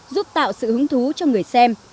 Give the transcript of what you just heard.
giúp tạo sự hứng thú cho người xem